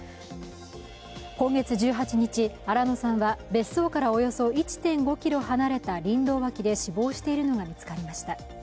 今月１８日新野さんは、別荘からおよそ１．５ｋｍ離れた林道脇で死亡しているのが見つかりました。